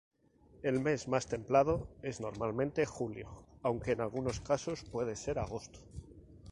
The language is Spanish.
El mes más templado es normalmente julio, aunque en algunos casos puede ser agosto.